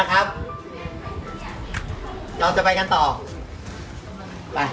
นะครับเราจะไปกันต่อไป